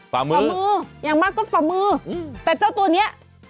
สำมื้อสำมือยังมากก็สำมืออื้มแต่เจ้าตัวเนี้ย